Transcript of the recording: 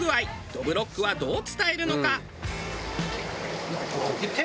どぶろっくはどう伝えるのか？